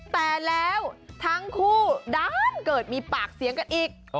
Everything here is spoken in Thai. แต่แล้วทั้งคู่ด้านเกิดมีปากเสียงกันอีก